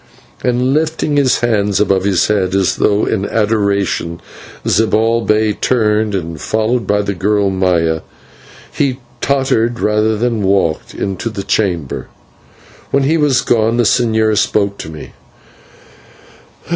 and lifting his hands above his head, as though in adoration, Zibalbay turned, and, followed by the girl, Maya, he tottered rather than walked into the chamber. When he had gone the señor spoke to me.